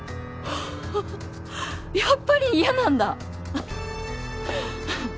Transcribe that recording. あやっぱり嫌なんだ。